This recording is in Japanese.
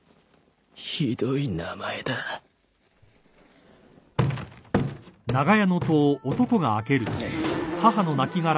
ひどい名前だうっ！